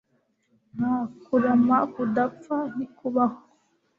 nta kurama kudapfa ntikubaho